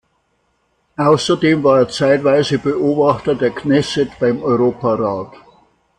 Außerdem war er zeitweise Beobachter der Knesset beim Europarat.